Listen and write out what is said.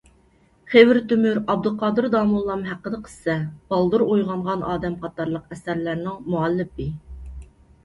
خېۋىر تۆمۈر «ئابدۇقادىر داموللام ھەققىدە قىسسە»، «بالدۇر ئويغانغان ئادەم» قاتارلىق ئەسەرلەرنىڭ مۇئەللىپى.